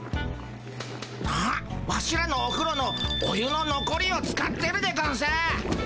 あっワシらのおふろのお湯ののこりを使ってるでゴンス。